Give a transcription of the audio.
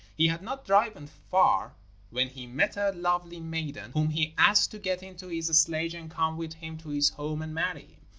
He had not driven far when he met a lovely maiden, whom he asked to get into his sledge and come with him to his home and marry him.